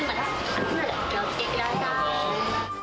熱いのでお気をつけください。